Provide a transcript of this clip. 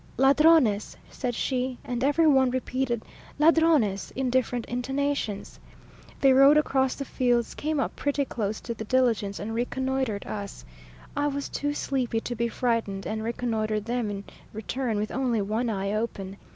"Ladrones!" said she, and every one repeated "Ladrones!" in different intonations. They rode across the fields, came up pretty close to the diligence, and reconnoitred us. I was too sleepy to be frightened, and reconnoitred them in return with only one eye open.